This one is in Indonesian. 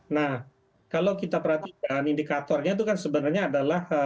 nah kalau kita perhatikan indikatornya itu kan sebenarnya adalah